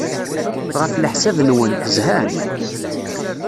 Ɣef leḥsab-nwent, zhan?